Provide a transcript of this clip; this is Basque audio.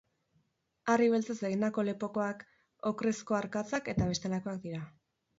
Harri beltzez egindako lepokoak, okrezko arkatzak eta bestelakoak dira.